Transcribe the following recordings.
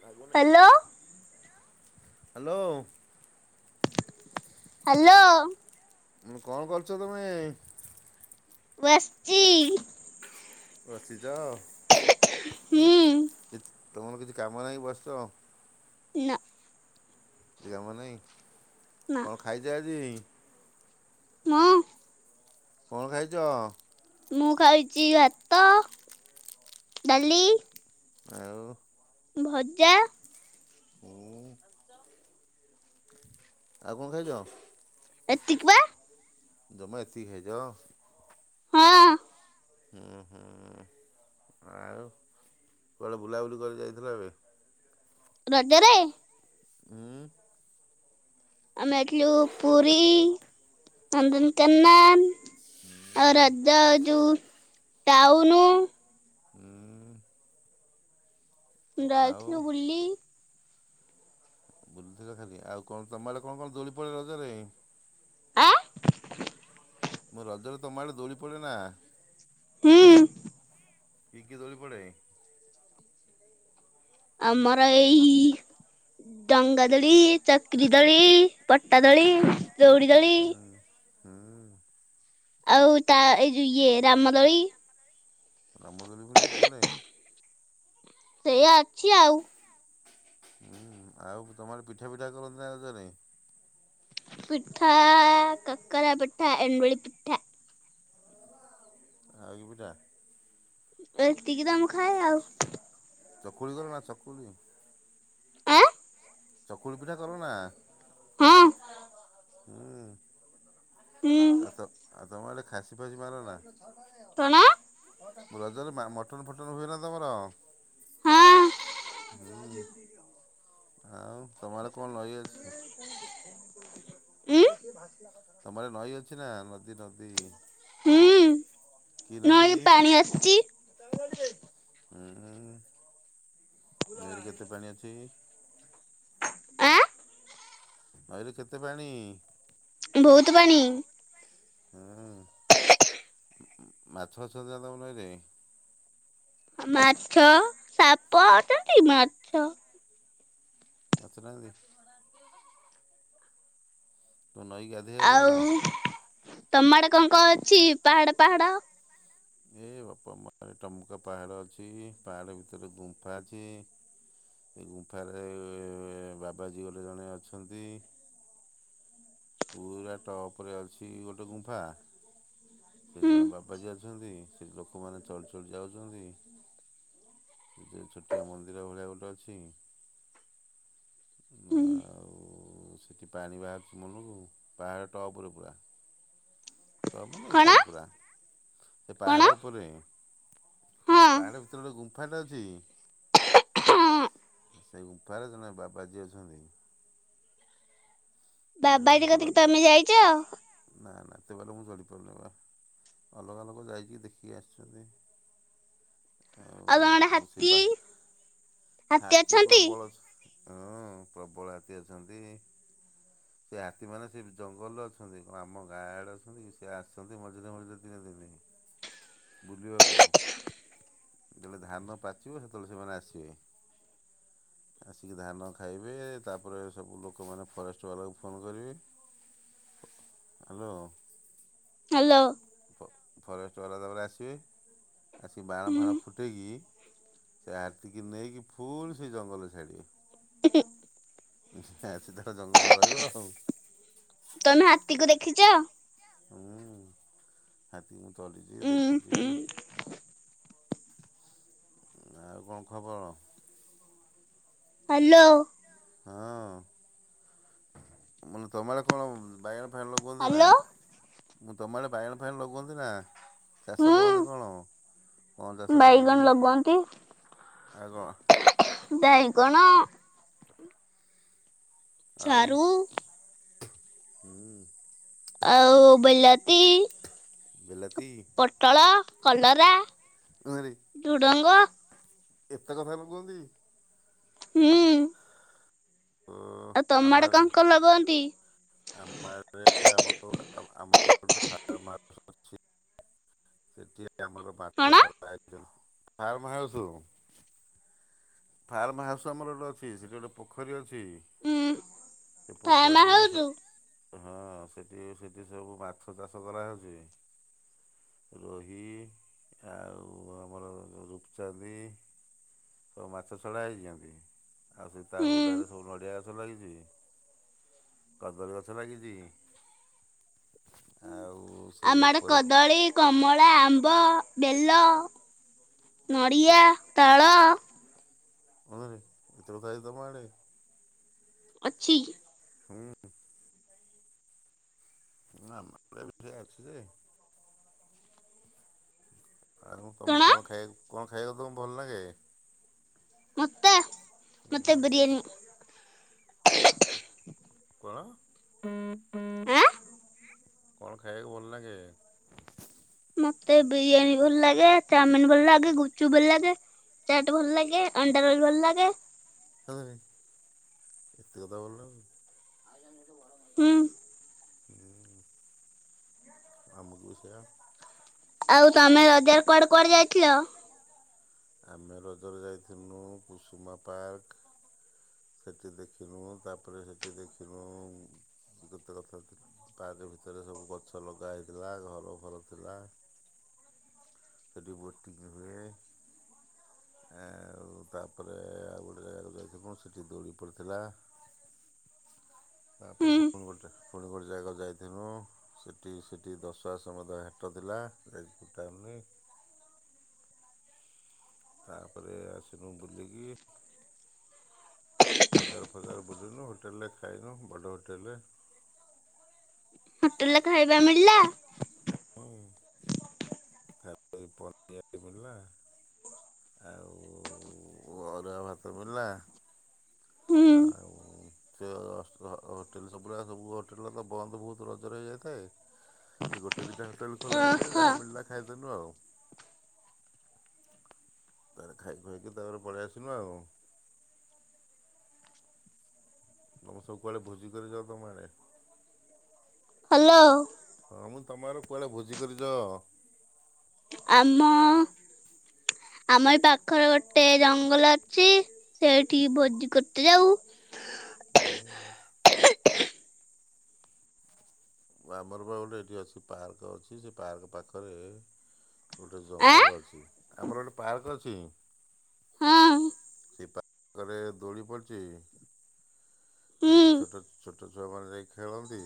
ଲାଗୁନି। Hello hello. Hello. କ'ଣ କରୁଛ ତମେ। ବସ୍ ଚି। ବସିଛ ହୁଁ ଏ ତମର କିଛି କାମ ନାହିଁ ବସିଛ। ନାଁ। କିଛି କାମ ନାହିଁ ନା କ'ଣ ଖାଇଛ ଆଜି। ମ୍। କ'ଣ ଖାଇଛ। ମୁଁ ଖାଇଛି ଭାତ, ଡାଲି। ଆଉ। ଭଜା। ହୁଁ। ଆଉ କଣ ଖାଇଛ? ଏତିକ ବା। ଜମା ଏତିକି ଖାଇଛ। ହଁ। ହୁଁ ହୁଁ ଆଉ କୁଆଡ଼େ ବୁଲାବୁଲି କରି ଯାଇଥିଲା ଏବେ? ରଜରେ। ହୁଁ। ଆମେ ଯାଇଥିଲୁ ପୁରୀ, ନନ୍ଦନକାନନ। ଆଉ ରଜ ଯଉ ଟାଉନୁ। ହଁ। ଆଉ ଯାଇଥିଲୁ ବୁଲି। ବୁଲିଥିଲ ଖାଲି ଆଉ କଣ ତମ ଆଡେ କଣ କଣ ଦୋଳି ପଡେ ରଜରେ? ଆଁ। ମୋ ରଜରେ ତମ ଆଡ଼େ ଦୋଳି ପଡ଼େ ନା? ହୁଁ। କି କିି ଦୋଳି ପଡ଼େ? ଆମର ଏଇ ଡଙ୍ଗାଦୋଳି, ଚକିରୀ ଦୋଳି, ପଟା ଦୋଳି, ଦଉଡ଼ି ହୁଁ ହୁଁ। ଆଉ ତା ଏଇ ଯଉ ଇଏ ରାମଦୋଳି। ରାମଦୋଳି ଫୁଣି ବି ପଡ଼େ। ସେୟା ଅଛି ଆଉ। ହୁଁ ଆଉ ତମ ଆଡ଼େ ପିଠା ପିଠା କରନ୍ତି ନା ରଜ ରେ? ପିଠା କାକରା ପିଠା, ଏଣ୍ଡୁଳି ପିଠା। ଆଉ କି ପିଠା? ଏତିକି ତ ମୁ ଖାଏ ଆଉ। ଚକୁଳି କର ନା ଚକୁଳି। ଆଁ। ଚକୁଳି ପିଠା କର ନା? ହଁ। ହୁଁ ହୁଁ ଆଉ ତ ଆଉ ତମ ଆଡ଼େ ଖାସି ଫାସି ମାର ନା? କଣ? ମୁ ରଜରେ ମା ମଟନ୍ ଫଟନ ହୁଏ ନା ତମର? ହଁ ହୁଁ ଆଉ ତମ ଆଡ଼େ କଣ ନଇ ଅଛି? ଉଁ। ତମଆଡେ ନଈ ଅଛି ନା ନଦୀ ନଦୀ? ହୁଁ କି ନଇ ନଦୀ ରେ ପାଣି ଆସିଚି। ଉଁ ନଇରେ କେତେ ପାଣି ଅଛି? ଆଁ ନଇରେ କେତେ ପାଣି? ବହୁତ୍ ପାଣି। ହୁଁ ମାଛ ଫାଛ ଅଛି ନା ତମ ନଈ ରେ? ଆ ମାଛ ସାପ ଅଛନ୍ତି ମାଛ। ମାଛ ନାହାନ୍ତି? ତମ ନଈ କି ଗା ଆଉ ତମ ଆଡ଼େ କଣ କଣ ଅଛି ପାହାଡ଼ ପାହାଡ଼? ଏ ବାପ ମ ଟମକା ପାହାଡ଼ ଅଛି ପାହାଡ଼ ଭିତରେ ଗୁମ୍ଫା ଅଛି। ସେଇ ଗୁମ୍ଫାରେ ବାବାଜୀ ବୋଲି ଜଣେ ଅଛନ୍ତି। ପୁରା ଟପ୍ ରେ ଅଛି ଗୋଟେ ଗୁମ୍ଫା। ସେ ହୁଁ ଜଣେ ବାବାଜୀ ଅଛନ୍ତି ସେ ଲୋକମାନେ ଚଡ଼ି ଚଡ଼ି ଯାଉଛନ୍ତି। ସେଇଥିରେ ଛୋଟିଆ ମନ୍ଦିର ଭଳିଆ ଗୋଟେ ଅଛି। ହୁଁ ଆଉ ସେଠି ପାଣି ବାହାରୁଚି ମନକୁ ପାହାଡ଼ ଟପ୍ ରେ ପୁରା ତମେ କଣ ଉପରେ ପୁରା ସେ କଣ ପାହାଡ଼ ଉପରେ ହଁ ପାହାଡ଼ ଭିତରେ ଗୋଟେ ଗୁମ୍ ମ୍ଫା ଟେ ଅଛି ସେଇ ଗୁମ୍ଫାରେ ଜଣେ ବାବାଜୀ ଅଛନ୍ତି। ବାବାଜୀ ବାଇନ ସେଇ ବା କତିକି ତମେ ଯାଇଚ? ନା ନା ସେବାଟେ ମୁଁ ଚଢ଼ିପାରୁନି ବା। ଅଲଗା ଲୋକ ଯାଇକି ଦେଖି ଆସିଛନ୍ତି। ତମ ଆଡେ ଆଉ ହାତୀ ସେପା ହାତୀ ପ୍ରବଳ ଅ ହଁ ପ୍ରବଳ ହାତୀ ଅଛନ୍ତି। ସେ ହାତୀମାନେ ସେ ଜଙ୍ଗଲରେ ଅଛନ୍ତି କଣ ଆମ ଗାଁ ଆଡ଼େ ଅଛନ୍ତି କି ସେ ଆସନ୍ତି ମଝିରେ ମଝିରେ ଦିନେ ଦିନେ। ବୁଲିବାକୁ। ଯେତେବେଳେ ଧାନ ପାଚିବ ସେତେବେଳେ ସେମାନେ ଆସିବେ। ଆସିକି ଧାନ ଖାଇବେ, ତାପରେ ସବୁ ଲୋକମାନେ ଫରେଷ୍ଟ ବାଲାକୁ ଫୋନ୍ କରିବେ, ହାଲୋ ହାଲୋ। ଫ ଫରେଷ୍ଟ ବାଲା ତାପରେ ଆସିବେ, ଆସିକି ବାଣ ଫାଣ ଫୁଟେଇକି ସେ ହାଥୀକି ନେଇକି ଫୁଣି ସେଇ ଜଙ୍ଗଲରେ ଛାଡ଼ିବେ। [unintelligible] ସିଧା ସିଧା ଜଙ୍ଗଲରେ ରହିବ ଆଉ। ତମେ ହାତୀକୁ ଦେଖିଛ? ହୁଁ, ହାତୀକୁ ମୁଁ ତଡିଚି, ଉଁ ଦେଖିଛି। ହୁଁ। ଆଉ କଣ ଖବର? ହାଲୋ। ହଁ, ମାନେ ତମଆଡ଼େ କଣ ବାଇଗଣ ଫାଇଗଣ ଲଗଉଚନ୍ତି ନା, ହ୍ୟାଲୋ ମୁଁ ତମ ଆଡ଼େ ବାଇଗଣ ଫାଇଗଣ ଲଗଉଚନ୍ତି ନା? ଚାଷ ହୁଁ କରନ୍ତି କଣ? କଣ ଚାଷ ବାଇଗଣ କରନ୍ତି? ଲଗାନ୍ତି ଆଉ କଣ? ବାଇଗଣ ଆଉ, ସାରୁ ହୁଁ। ଆଉ ବେଲାତି ବିଲତି ପୋଟଳ, କଲରା ଗାଁ ରେ ଝୁଡ଼ଙ୍ଗ ଏତେ କଥା ଲଗୁଅନ୍ତି? ହୁଁ। ଓ ଆଉ ତମ ଆମ ଆଡେ ଆଡ଼େ କଣ ବି କଣ ଲଗାନ୍ତି? ଆମ ଆମର ଆମର ଗୋଟେ ଫାର୍ମାର୍ ଅଛି [unintelligible] ସେଠି ଆମର କଣ ମାଛ ଛଡା [unintelligible] ଫାର୍ମ ହାଉସ୍। ଫାର୍ମ ହାଉସ ଆମର ଗୋଟେ ଅଛି, ସେଠି ଗୋଟେ ପୋଖରୀ ଅଛି। ଉଁ ସେ ଫାର୍ମ ପୋଖରୀରେ ହାଉସ ସେ ହଁ ସେଠି ସେଠି ସବୁ ମାଛ ଚାଷ କରାହେଉଛି। ରୋହି ଆଉ ଆମର ରୂପଚାନ୍ଦି ସବୁ ମାଛ ଛଡା ହେଇଛନ୍ତି, ଆଉ ସେ ତା ହୁଁ ହୁଡାରେ ସବୁ ନଡିଆ ଗଛ ଲାଗିଚି, କଦଳୀ ଗଛ ଲାଗିଚି। ଆଉ ସେଇ ଆମର ଉପରେ କଦଳୀ, କମଳା, ଆମ୍ବ, ବେଲ ନଡ଼ିଆ, ସେଟା ତାଳ ଆରେ ଏତେ କଥାକି ତମ ଆଡ଼େ ଅଛି। ହୁଁ ହୁଁ। ନା ଆମ ଆଡ଼େ ବି ସେଇଆ ଅଛି, ଯେ ଆଉ ତମକୁ କଣ ଖାଇଆକୁ କଣ ଖାଇବାକୁ ତମକୁ ଭଲ ଲାଗେ? ମତେ, ମତେ ବିରିୟାନୀ। କଣ? ଆଁ କଣ ଖାଇବାକୁ ଭଲଲାଗେ? ମତେ ବିରିୟାନୀ ଭଲ ଲାଗେ, ଚାଉମିନ ଭଲ ଲାଗେ, ଗୁପଚୁପ ଭଲ ଲାଗେ। ଚାଟ ଭଲ ଲାଗେ, ଅଣ୍ଡାରୋଲ ଭଲ ଲାଗେ। ଆରେ, ଏତେ କଥା ଭଲ ଲାଗେ। ହୁଁ। ହୁଁ। ଆମକୁ ବି ସେଇଆ। ଆଉ ତମେ ରଜରେ କୁଆଡେ କୁଆଡେ ଯାଇଥିଲ? ଆମେ ରଜରେ ଯାଇଥିନୁ, କୁସୁମା ପାର୍କ ସେଠି ଦେଖିନୁ ତାପରେ ସେଠି ଦେଖିନୁ କେତେ କଥାଥିଲୁ। ପାର୍କ ଭିତରେ ସବୁ ଗଛ ଲଗା ହେଇଥିଲା ଘର ଫର ଥିଲା। ସେଠି ବୋଟିଁ ହୁଏ। ଆଉ ତାପରେ ଆଉ ଗୋଟେ ଜାଗାକୁ ଯାଇଥିଲୁ ସେଠି ଦୋଳି ପଡ଼ିଥିଲା। ତାପରେ ହୁଁ ପୁଣି ଗୋଟେ ପୁଣି ଗୋଟେ ଜାଗା ଯାଇଥିଲୁ। ସେଠି ସେଠି ଦଶ ଆସ ସମାଦୟ ହାଟ ଥିଲା। [unintelligible] ତାପରେ ଆସିଲୁ ବୁଲିକି ବଜାର ଫଜାର ବୁଲିନୁ, ହୋଟେଲରେ ଖାଇନୁ, ବଡ଼ ହୋଟେଲରେ। ହୋଟେଲରେ ଖାଇବା ମିଳିଲା? ହୁଁ। [unintelligible] ମିଳିଲା। ଆଉ ଅରୁଆ ଭାତ ମିଳିଲା। ହୁଁ ଆଉ ସେ ହୋଟେଲ ସବୁୁରା ସବୁ ହୋଟେଲ ତ ବନ୍ଦ ବହୁତ ରଜରେ ହେଇଯାଇଥାଏ। ସେ ଗୋଟେ ଦିଟା ହୋଟେଲ ଖୋଲା ହେଇଥିଲା ଓହୋ ଯାହା ମିଲା ଖାଇଦେନୁ ଆଉ। ତାର ଖାଇ ଖୁଆଇକି ତାପରେ ପଳେଇ ଆସିଲୁ ଆଉ। ତୁମେ ସବୁ କୁଆଡେ ଭୋଜି କରି ଯାଅ ତମ ଆଡ଼େ? ହ୍ୟାଲୋ। ହଁ ମୁଁ ତମର କୁଆଡ଼େ ଭୋଜି କରିଛ? ଆମ ଆମର ଏ ପାଖରେ ଗୋଟେ ଜଙ୍ଗଲ ଅଛି, ସେଠିକି ଭୋଜି କରତେ ଯାଉ। ଉଁ କୁ ଆମର ବା ଗୋଟେ ଏଠି ଅଛି ପାର୍କ ଅଛି ସେ ପାର୍କ ପାଖରେ ଗୋଟେ ଆଁ ଜଙ୍ଗଲ ଅଛି ଆମର ଗୋଟେ ପାର୍କ ଅଛି। ହଁ ସେ ପାଖରେ ଦୋଳି ପଡ଼ିଛି। ହୁଁ ସେଠି ଛୋଟ ଛୋଟ ଛୁଆମାନେ ଯାଇ ଖେଳନ୍ତି?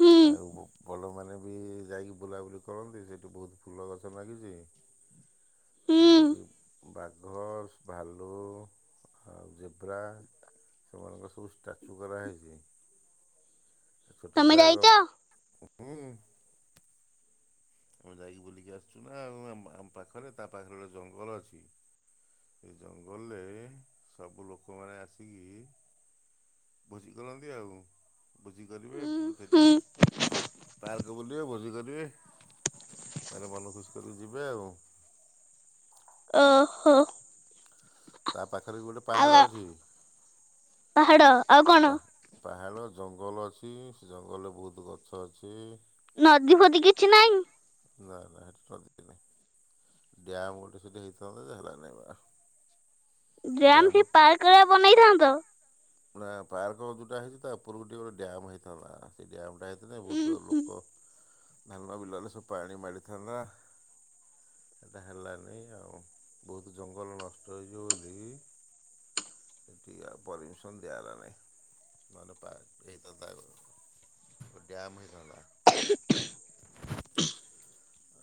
ହୁଁ ଆଉ ବଲମାନେ ବି ଯାଇକି ବୁଲାବୁଲି କରନ୍ତି ସେଠି ବହୁତ ଫୁଲ ଗଛ ଲାଗିଛି। ହୁଁ ସେଠି ବାଘସ୍ ଭାଲୁ ଆଉ ଜେବ୍ରା। ସେମାନଙ୍କ ସବୁ ଷ୍ଟାଚୁ କରାହେଇଛି। ଛୋଟ ତମେ ଛୁଆ ଯାଇଛ? ଏକ ହୁଁ। ଆମେ ଯାଇକି ବୁଲିକି ଆସିଛୁ ନା ଆଉ ଆମ ପାଖରେ ତା ପାଖରେ ଗୋଟେ ଜଙ୍ଗଲ ଅଛି। ଏ ଜଙ୍ଗଲରେ ସବୁ ଲୋକମାନେ ଆସିକି ଭୋଜି କରନ୍ତି ଆଉ ଭୋଜି କରିବେ ଉଁ ସେଠି ହୁଁ ସେ ପାର୍କ ବୁଲିବେ ଭୋଜି କରିବେ ତାରେ ମନ ଖୁସି କରିକି ଯିବେ ଆଉ। ଓହୋ। ତା ପାଖରେ ବି ଗୋଟେ ପାହାଡ଼ ଅଛି। ପାହାଡ଼। ପାହା ପାହାଡ଼ ଜଙ୍ଗଲ ଅଛି ସେ ଜଙ୍ଗଲରେ ବହୁତ ଗଛ ଅଛି। ନଦୀ ଫଦୀ କିଛି ନାହିଁ। ନା ନା ହେଠି ଛ କିଛି ନାହିଁ। ଡ୍ୟାମ୍ ଗୋଟେ ସେଇଠି ହେଇଥାନ୍ତା ଯେ ହେଲାନାହିଁ ବା। ଯାମ୍ ଡ୍ୟାମରୁ ସେଇ ପାର୍କ ରେ ବନେଇଥାନ୍ତ। ପୁରା ପାର୍କ ଯୋଉଟା ହେଇଛି ତା ଉପରକୁ ଟିକେ ଗୋଟେ ଡ୍ୟାମ୍ ହେ ସେ ଡ୍ୟାମ୍ ଯାଇଥିଲେ ଉଁ ବହୁତ ବୋହୁତ ହୁଁ ଲୋକ ଧାନ ବିଲ ରେ ସବୁ ପାଣି ମାଡ଼ିଥାନ୍ତା। ଏଟା ହେଲାନି ଆଉ ବହୁତ ଜଙ୍ଗଲ ନଷ୍ଟ ହେଇଯିବ ବୋଲି ଏଠିକା ପରିମିସ୍‌ କନ୍ ଦିଆ ହେଲା ନାହିଁ ମାନେ ପାର୍କ ହେଇଥାନ୍ତା ଆଗକୁ ତ ଡ୍ୟାମ୍ ହେଇଥାନ୍ତା।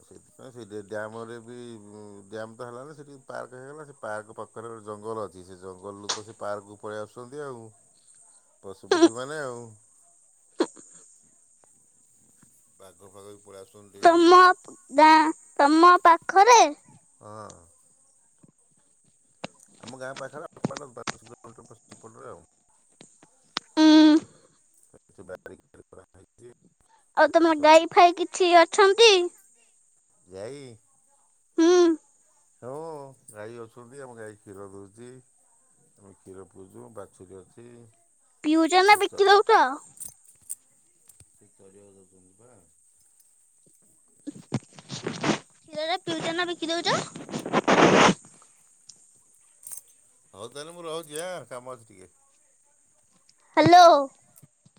ସେଥିପାଇଁ ସେ ଯେ ଡ୍ୟାମ୍ ରେ ବି ଡ୍ୟାମ୍ ତ ହେଲାନି ସେଠି ପାର୍କ ହେଇଗଲା। ସେ ପାର୍କ ପା ପାଖରେ ଗୋଟେ ଜଙ୍ଗଲ ଅଛି ସେ ଜଙ୍ଗଲରୁୁ ତ ସେ ପାର୍କକୁୁ ପଳେଇ ଆସୁଛନ୍ତି ଆଉ। ପଶୁପକ୍ଷୀମାନେ ଆଉ। ବାଘ ଫାଗ ବି ପଳେଇ ଆସୁଛନ୍ତି ଡେଇଁକି ତମ ଗାଁ ତମ ପାଖରେ? ହଁ। ଆମ ଗାଁ ପାଖରେ ମାନେ [unintelligible] ସେପଟରେ ଆଉ। ଉଁ ସେ ବାରିଭିତରେ ଗଲାଭାରି। ଆଉ ତମ ଗାଈ ଫାଇ କିଛି ଅଛନ୍ତି? ଯାଇ ହୁଁ ହଁ ଗାଈ ଅଛନ୍ତି। ଆମ ଗାଈ କ୍ଷୀର ଦଉଚି। ଆମେ କ୍ଷୀର ପିଉଚୁ ବାଛୁରୀ ଅଛି। ପିଉଚ ନା ବିକି ଦଉଚ? ପିକାରିଆ ଦୋଉଚନ୍ତି ପା। କ୍ଷୀରରେ ପିଉଚନା ବିକି ଦଉଚ? ଏ। ହଉ ତାହେଲେ ମୁଁ ରହୁଛି ଆଁ କାମ ଅଛି ଟିକେ। ହ୍ୟାଲୋ